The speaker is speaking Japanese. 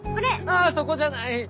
あそこじゃない！